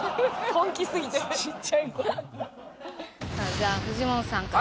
じゃあフジモンさんから。